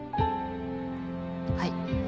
はい。